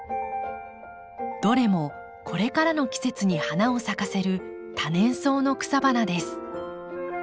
どれもこれからの季節に花を咲かせる多年草の草花です。